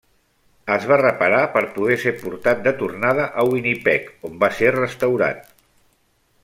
Es va reparar per poder ser portat de tornada a Winnipeg, on va ser restaurat.